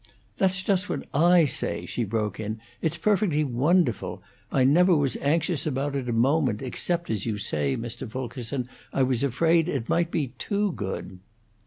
"That is just what I say," she broke in. "It's perfectly wonderful. I never was anxious about it a moment, except, as you say, Mr. Fulkerson, I was afraid it might be too good."